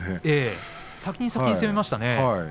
先に先に攻めましたね。